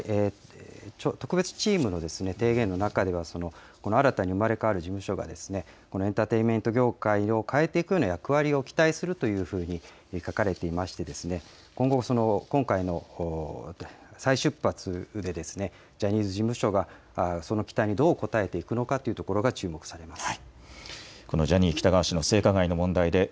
特別チームの提言の中では、新たに生まれ変わる事務所がこのエンターテインメント業界を変えていくような役割を期待するというふうに書かれていまして、今後、今回の再出発でジャニーズ事務所がその期待にどう応えていくのかというところが注目されます。